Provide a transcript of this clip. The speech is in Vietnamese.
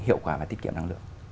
hiệu quả và tiết kiệm năng lượng